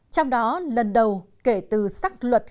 trong đó lần đầu kể từ sắc luật ba năm một nghìn chín trăm linh bốn